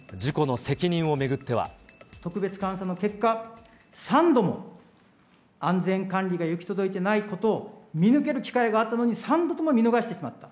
特別監査の結果、３度も、安全管理が行き届いてないことを見抜ける機会があったのに、３度とも見逃してしまった。